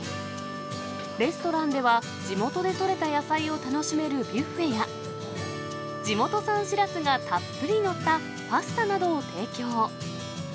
レストランでは、地元で取れた野菜を楽しめるビュッフェや、地元産しらすがたっぷり載ったパスタなどを提供。